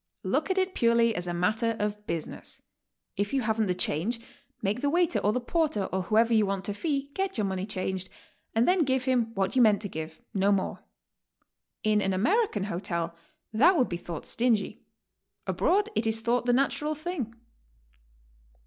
Look at it purely as a matter of business. If you haven't the change, make the waiter or the porter or who ever you want to fee, get your money changed, and then give bim what you meant to give, no more. In an Ameri can hotel that would bethought stingy; abroad it is thought the natural thing.